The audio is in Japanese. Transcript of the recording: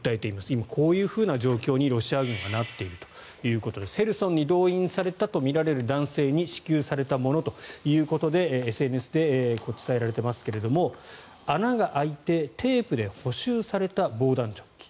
今、こういう状況にロシア軍がなっているということでヘルソンに動員されたとみられる男性に支給されたものということでＳＮＳで伝えられていますが穴が開いてテープで補修された防弾チョッキ。